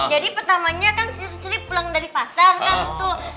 jadi pertamanya kan si sri pulang dari pasar kan